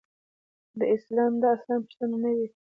دا اصلاً پوښتنه نه وي.